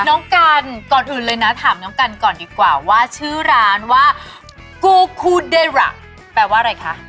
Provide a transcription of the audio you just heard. น้องกันก่อนอื่นเลยนะถามน้องกันก่อนดีกว่าว่าชื่อร้านว่ากู้คู่เดรักแปลว่าอะไรคะ